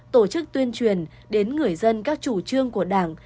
tổ chức tuyên truyền đến người dân các chủ trương của đảng